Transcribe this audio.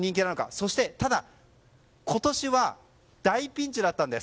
そして、今年は大ピンチだったんです。